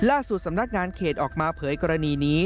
สำนักงานเขตออกมาเผยกรณีนี้